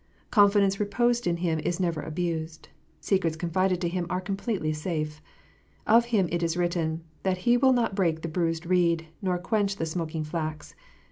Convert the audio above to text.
Confidence reposed in Him is never abused : secrets confided to Him are completely safe. Of Him it is written, that "He will not break the bruised reed, nor quench the smoking flax."